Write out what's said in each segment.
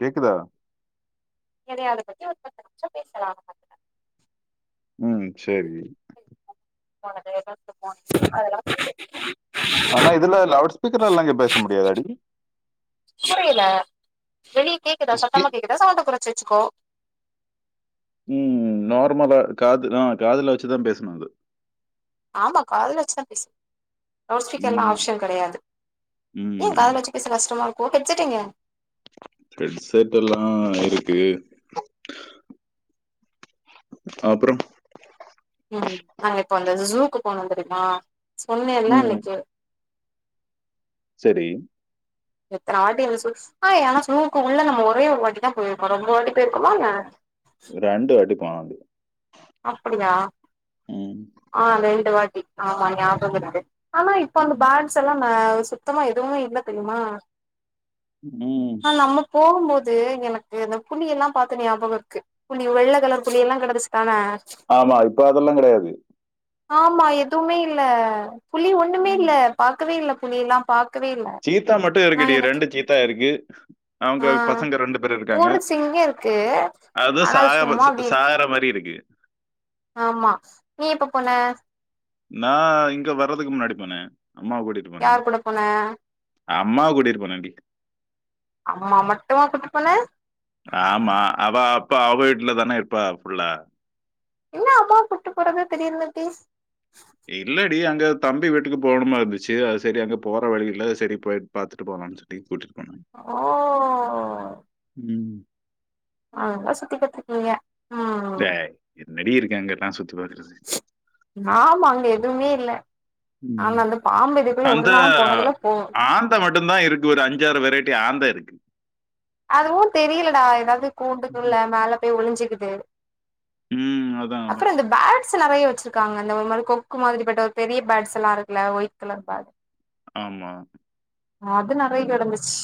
கேக்குதா எதயாது பத்தி ஒருபத்து நிமிஷோ பேசலாம் ம் சேரி என்னன்னு தெரியுமா அதலாம வந்து ஆனா இதுல லவுட்ஸ்பீக்கர்லா இங்கே பேச முடியாதடி புரில வெளியே கேக்குதா ஸ்பீ சத்தமா கேக்குதா சவுண்ட குறச்சி வச்சுக்கோ ம் நார்மலா காது ஆ காதுல வச்சுதா பேசணு அது ஆமா காதுல வச்சு தா பேசனு லவுடு ஸ்பீக்கர்லா ம் ஆப்ஷன் கெடையாது ஏ ம் காதுல வச்சு பேச கஷ்டமா இருக்கோ ஹெட்செட் எங்க ஹெட்செட்டுலா இருக்கு அப்றோம் ம் நாங்க இப்ப அந்த ஜூக்கு போனே தெரிமா சொன்னேல்ல ம் அன்னைக்கி செரி எத்தன வாட்டி உன்ன சொல் ஆ ஆனா சூக்கு உள்ள நம்ம ஒரே வாட்டி தா போயிருப்போ ரொம்ப வாட்டி போயிருக்கோமா என்ன ரெண்டு வாட்டி போனோ அது அப்டியா ம் ஆ ரெண்டு வாட்டி ஆமா ஞாபகர்க்கு ஆமா இப்போ அந்த பாக்ஸ் எல்லா ந சுத்தமா எதுவு இல்ல தெரிமா ம் ஆ நம்ம போகு போது எனக்கு இந்த புலி எல்லா பாத்த ஞாபகொ இருக்கு புலி வெள்ள கலரு புலியெல்லா கெடந்துச்சி தானா ஆமா இப்ப அதெல்லா கெடையாது ஆமா எதுவுமே இல்ல புலி ஒண்ணுமே ம். இல்ல பாக்கவே இல்ல புலி எல்லா பாக்கவே இல்ல சீத்தா மட்டு நா இருக்டி எனக்கு ரெண்டு சீத்தா இருக்கு அவுங்க பசங்க ரெண்டு பேரு இருக்காங்க சிங்கருக்கு அது சாக சாகற மாரிருக்கு ஆமா நீ எப்ப போன நா இங்க வர்றதுக்கு முன்னாடி போனே அம்மா கூட்டிட் யார் கூட போன அம்மா கூட்டிட்டு போனேன்டி அம்மா மட்டுமா கூட்டு போன ஆமா அவ அப்ப அவ வீட்ல தானே இருப்பா ஃபுல்லா என்ன அம்மா கூட்டுப்போறது தீடீர்னு இப்டிஸ் இல்லடி அங்க தம்பி வீட்டுக்கு போகணுமா இருந்துச்சு அது சரி அங்க போற வழி இல்ல சரி போயிட்டு பாத்துட்டு போலான்ச் சொல்லி கூட்டிட்போனே ஓ ம் அ [unintelligible] தே என்னடி இருக்குங்க அங்க எல்லா சுத்தி பாக்கறது ஆமா அங்க எதுவுமே இல்ல ஆனா ம். அந்த பாம்பு இதுக்குள்ள ஒரு நாளு போனதுல போ த்த மட்டு தா இருக்கு ஒரு அஞ்சாறு வெரைட்டி ஆந்த இருக்கு அதுவு தெரியலடா ஏதாவது ம். கூண்டுக்குல மேல போய் ஒழிஞ்சுக்குது ம். அதான், அப்புற அதான். இந்த பேட்ஸ் நறைய வச்சிருக்காங்க இந்த ஒரு மாரி கொக்கு மாரி பட்ட ஒரு பெரிய பேட்ஸ் எல்லா இருக்கல ஒயிட் கலர் பேர்ட் ஆமா அது நறைய கடந்துச்சு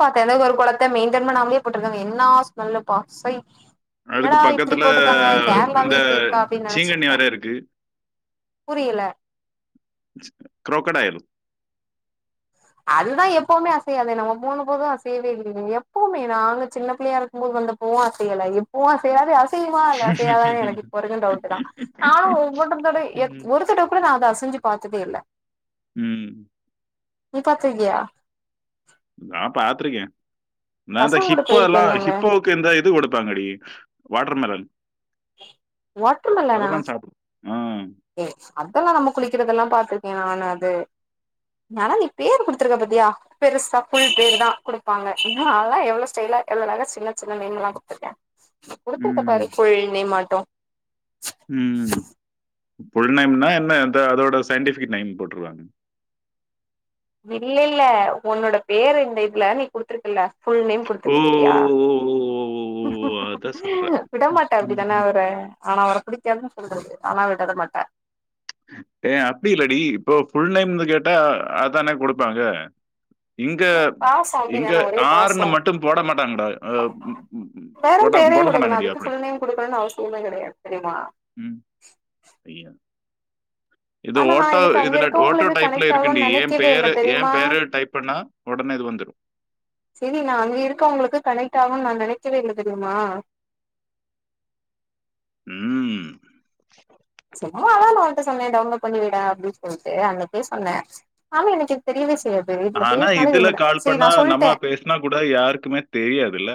பாத்தன் எந்த ஒரு கொளத்த மெயின்டென் பண்ணாமலே போட்டிருக்காங்க என்னா ஸ்மெல்லு பா சை அதுக்கு எங்கடா இப்டி பக்கத்துல போட்டுருக்காங்க இந்த கேரளாவே இப்டி இருக்கா அப்டின்னு சீங்கண்ணி நெனைச்சுக்கிட்டே வேற இருக்கு. புரியல க்ரோக்கடைலு அதுதா எப்பவுமே அசையாதே நம்ம மூணு போது அசையவே இல்லீங்க எப்பவுமே நாங்க சின்ன பிள்ளையா இருக்கு உளுக்கு வந்த பூவு அசயல இப்பவு அசையாது செய்யுமா இல்ல செய்யாதனு எனக்கு இப்பரைக் டவுட் தா நானு ஒவொன்றத்தோட ய ம். ஒருத்த அப்ப நா அத அசஞ்சு பார்த்ததேயில்ல ம் நீ பாத்துருகியா நா பாத்திருக்கே நான்ந்தா பசங்க கூட ஷிப்போல்லா போயிருக்கியா நீ அங்க ஷிப்போ க்கு இந்த இது கொடுப்பாங்கடி வாட்டர்மெலன் வாட்டர் மெலனா அதெல்லா சாப் ம் ஏ அதெல்லா நம்ம குளிக்கிறதெல்லா பாத்திருக்கே நானு அது நானா நீ பேர் குடுத்துருக்க பத்தியா பெருசா ஃபுல் பேர் தா கொடுபாங்க ன்னா அதலா எவ்ளோ ஸ்டைலா எவ்ளோ சின்ன சின் நேம்லா குடுத்துருக்கே குடுத்திருக்க ம் பாரு கொள் நே மாட்டோ ம் ஃபுல் நேம்னா என்ன அத அதோட சயின்டிஃபிக் நேம் போட்டுருவ இல்ல இல்ல உன்னோட பேர இந்த இதுல நீ குடுத்துருக்குல ஃபுல் நேம் ஓ குடுத்துருக்க பத்தியா அதான் சொல்றேன் விட மாட்டே அப்டிதானே ம். அவற ஆனா அவர பிடிக்காதுன்னு சொல்றது ஆனா அவர விட மாட்டே ஏ அப்டி இல்லடி இப்போ ஃபுல் நேம்னு கேட்டா அதானே குடுப்பாங்க இங்க பாசோ இங்க அப்டிதான ஒரே யாருன்னு பாசோ மட்டு போட மாட்டாங்கடா அத வேற தேவையா குடுக்கலா அதுக்கு ஃபுல் நேம் குடுக்கலானு அவசியம்லா கெடையாது தெரியுங்ளா ம் ஐயோ ஆனா நா எனக்கு அங்க இதுல இருக்க ஓட்டோ உங்களுக்கு டைப்ல கனெக்ட் ஆகும்னு இருக்குண்டி என் நெனைக்கவே இல்ல பேரு என் தெரியுமா பேரு டைப் பண்ணா உடனே இது வந்துடும் சரி நா அங்கே இருக்கவங்களுக்கு கனெக்ட் ஆகும்னு நா நெனக்கவே இல்ல தெரியுமா ம் சும்மாதா நா ஒன்ட்ட சொன்னே டவுன்லோட் பண்ணி விட அப்டின்னு சொல்லிட்டு அன்னக்கே சொன்னே ஆமா என்னைக்கு தெரியவே செய்யாது இதுல பேனாலே விட சரி நா சொல்ட்டே னா கூட யாருக்குமே தெரியாதுல்ல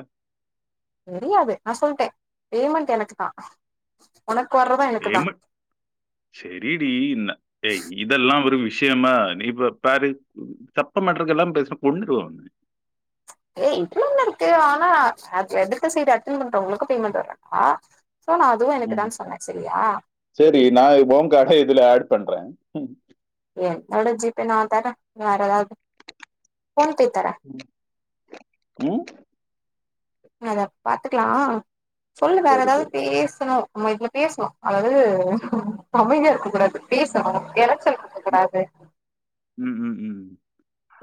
தெரியாது நா சொல்ட்டே பேமெண்ட் எனக்கு தா உனக்கு வர்றது எனக்கு தா செரிடி இன்ன ஏ இதெல்லா ஒரு விஷ்யமா நீப்ப பாரு சப்ப மேட்ருக்கெல்லா பேசுனா கொண்ருவ அப்டி ஏ இதுல என்ன இருக்கு ஆனா அது எதிர்க்க சைட் அட்டன் பண்ற ஒங்களுக்கு பேமெண்ட் வர்றே ஆ சோ நா அதுவு எனக்கு தா சொன்னே சரியா செரி நா இப்ப ஓ கார்ட இதுல ஆட் பண்றே ம் என்னோட ஜி பே நான் தர நீயா வேற எதாவது ஃபோன் பே தர இல்ல அ அத பாத்துக்கலா சொல்லு வேற சரி எதாவது சரி பேஸ்ணு ஆமா இப்ப பேஸ்ணு அதாவது அமைதியா இருக்க கூடாது பேசணு எரச்சல் இருக்க ம் கூடாது ம் ம் ம்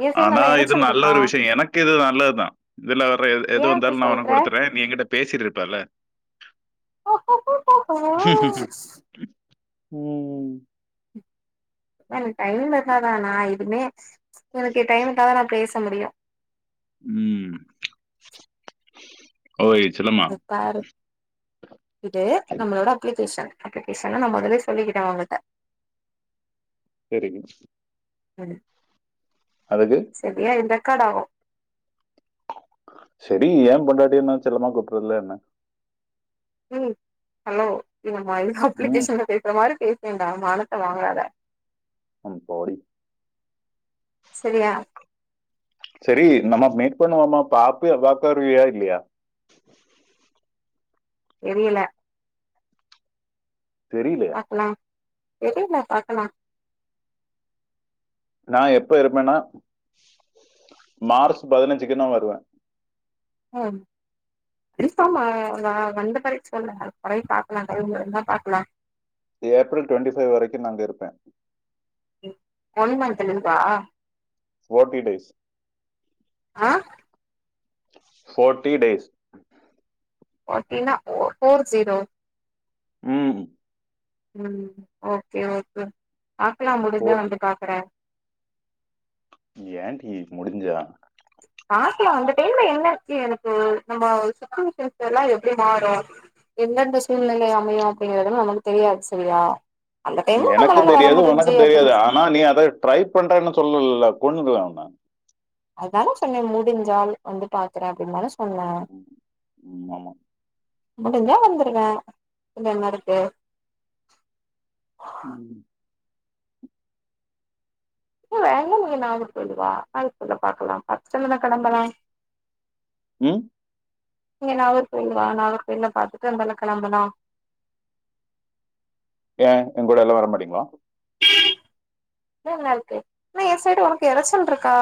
ஏ சைடு ஆனா நல்லா இது எரச்சல் நல்ல இருக்கா ஒரு விஷ்ய எனக்கு இது நல்லதுதா இதுல வர எது எது ஏ அப்டி வந்தாலு நா ஒனக் சொல்ற குடுத்துறே நீ எங்கிட்ட பே சிட்ருப்பல ம் ம் ஆனா எனக்கு டைம் இருந்தாத நா எதுமே எனக்கு டைம் இருந்தாதா நா பேச முடியு ம் ஓய் செல்லமா இங்க பாரு இது நம்மளோட அப்ளிகேஷன் அப்ளிகேஷன் நா மொதல்லயே சொல்லிக்கிட்டே ஒங்கிட்ட செரிங்க செரி அதுக்கு சரியா இது ரெக்காடாவு செரி எ பொண்டாட்டிய நா செல்லமா கூப்புறதுல்ல என்ன ம் ஹலோ [unintelligible] ம் அப்ளிகேஷன்ல பேசுற மாரி பேசேன்டா மானத்த வாங்காத ம் போடி சரியா செரி நம்ம மீட் பண்ணுவோமா பாப்பிய பாக்க வருவியா இல்லயா தெரியல தெரிது லா தெரில பாக்கலா நா எப்ப இருப்பன்னா மார்ச் பதினஞ்சுக்கு நா வருவ ஆம் [unintelligible] வந்த பெறகு சொல்லுங்க கொறயு பாக்கலா டைம் இருந்தா பாக்கலா ஏப்ரல் டுவெண்ட்டி ஃபைவ் வரைக்கு நா இங்க இருப்பே உ ஒன் மந்த் லீவ்வா ஃபோர்டி டேஸ் ஆ ஃபோர்ட்டி டேஸ் ஃபாட்டி னா ஃபோர் ஃபோர் ஜீரோ உ உ ஓகே ஓகே பாக்கலா முடிஞ்சா வந்து பாக்குற ஏன்டி முடிஞ்சா பாக்லா அந்த டைம்ல என்னச்சு எனக்கு நம்ம சுச்டிவேஷன்ஸ்ல்லா எப்டி மாறு எந்தெந்த சூழ்நிலை அமையு அப்டிங்கறது நமக்கு தெரியாது செரியா எனக்கு தெரியாது ஒனக்கு அப்டின்னு தெரியாது ஆனா நீ அத ட்ரை பண்றேன்னு சொல்லல கொண்னுடுவ ஒன்ன அதுதானே சொன்னே முடிஞ்சால் வந்து பாக்குறே அப்டின்னு தானே சொன்னே ம், ஆமா முடிஞ்சா வந்துருவே இதுல என்ன இருக்கு உ ஏ வேங்க நீங்க நானு போய்டுவே ஆ அதுகொஞ்சோ பாக்கலா பாத்துட்டு நம்ம களம்பலா உ நீங்க நாகர்கோயிலா நாகர்கோயில பாத்துட்டு அந்தால கெளம்பலா ஏ எ கூட எல்லா வர மாட்டீங்களா [unintelligible] உனக்கு எறச்சல் இருக்கா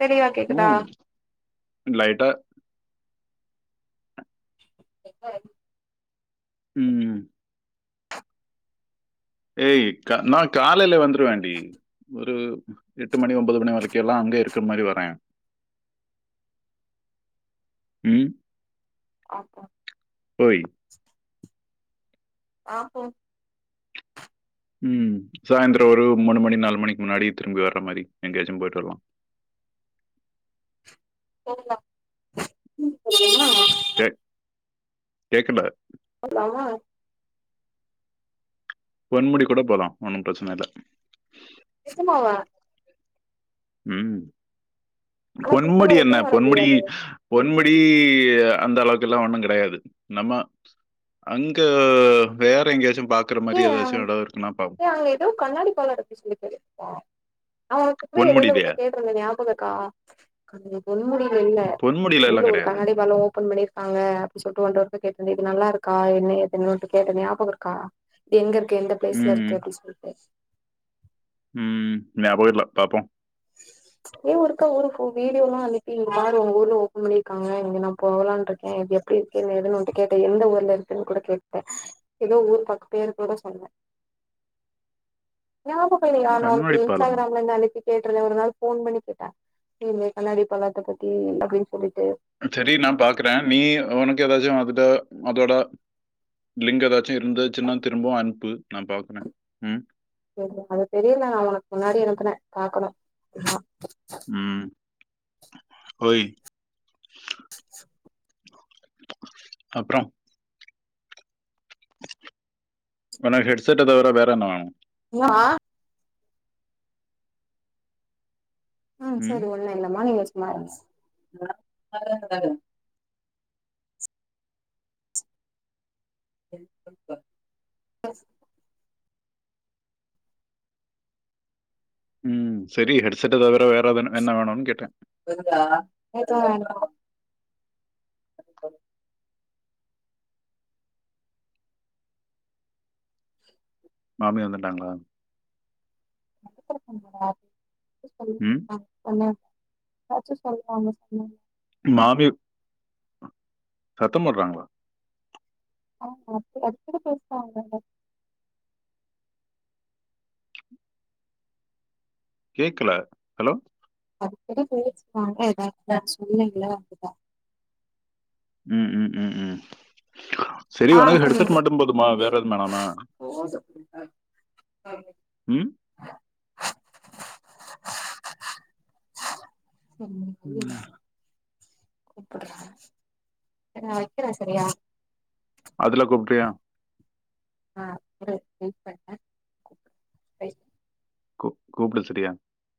தெளிவா உ கேக்குதா லைட்டா [inaudible] உ ஏய் நா காலையில வந்துருவேண்டி ஒரு எட்டு மணி ஒன்பது மணி வரைக்க எல்லா அங்கே இருக்கிற மாரி வரே உ பாப்போ ஓய் பாப்போ உ சாயந்தரோ ஒரு மூணுமணி நாலுமணிக்கு முன்னாடி திரும்பி வர மாரி எங்கயாச்சி போயிட்டு வரலா போலா [unintelligible] கே கேக்குல போலாமா பொன்முடி கூட போலா ஒன்னு பிரச்சன இல்ல நிஜமாவா உ ஆனா சீக்கிரமா பொன்முடி என்ன ரிட்டன் வர பொன்முடி முடியாது பொன்மடி அந்த அளவுக்குல்லா ஒண்ணு கடையாது நம்ம அங்க வேற எங்கயாச்சு பாக் ஏ அங்க ஏதோ கண்ணாடி பாலோருக்கு சொல்லி [unintelligible] ஆ ஒர்க்கா கூட இடைல ஒர்க்கா பொன்முடியிலயா கேட்ருந்தே ஞாபகோ இருக்கா அங்க பொன்முடில இல்ல உங்க பொன்முடியில ஊர்ல எல்லாம் ஒரு கிடையாது கண்ணாடிபாலம் ஓபன் பண்ணிருக் காங்க அப்டி சொல்லட்டு உன்ட ஒருக்கா கேட்டனே இது நல்லா இருக்கா என்ன ஏதுன்னுட்டு கேட்ட ஞாபகம் இருக்கா எங்க இருக் க்கே எந்த பிளேஸ்ல ம் இருக்கு அப்டி சொல்ட்டு ம் ஞாபகோ இல்ல பாப்போ [inaudible] நீ ஒருக்கா ஊருக்கு போ வீடியோ எல்லா அனுபி இந்த மாரி உங்க ஊர்ல ஓப்பன் பண்ணிருக்காங்க இங்க நா போகலான்ருக்கே [unintelligible] அப்டி இருக்கே எதுன்னுட்டு கேட்ட எந்த ஊர்ல இருக்குன்னு கூட கேட்ட ஏதோ ஊர் பக்கோ பேரு கூட சொன்னே ஞாபாக இல்லையா நா உனக்கு கண்ணாடி பாலமா இன்ஸ்டாகிராம்ல இருந்து அனுபி கேட்டுருந்தே ஒரு நாள் போன் பண்ணி கேட்ட இந்த கண்ணாடி பலாத்தை பத்தி அப்டின்னு சொல்லிட்டு செரி நா பாக்குறே நீ உனக்கு ஏதாச்சு அதுட்ட அதோட லிங்க் ஏதாச்சு இருந்துசினா திரும்பவு அனுப்பு நா பாக்கற ம் அது தெரியல உனக்கு முன்னாடி அனுபான பாக்கணு லா ம் ஓய் அப்றோ உனக்கு ஹெட் செட்ட தவிர வேற என்ன வேணு உனா ஆ ம் சரி ஒண்ணு இல்லாம நீங்க சும்மா இருங்க [unintelligible] செரி ஹெட்செட்ட தவிர வேறது வேணுன் கேட்டே எதுவு வேண்டா [unintelligible] மாமி வந்துட்டாங்ளா [inaudible] ம் எதாச்சு சொல்றாங்க சொன்னே மாமி சத்தம் போட்றாங்ளா ஆமா [unintelligible] கேக்கல ஹலோ [unintelligible] ம் ம் ம் செரி ஆ ஒனக் ஹெடுசெட் சரிங்க மட்டு போதுமா வேற எது வேனாமா ம் [inaudible] செரி நா ம். கூப்புட்றே சரினா வெக்குறே சரியா அதுல கூப்டியா ஆ இல்ல வெயிட் பண் கூப் கூப்டு செரியா